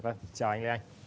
vâng chào anh lê anh